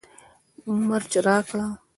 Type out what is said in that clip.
مرچ راکړه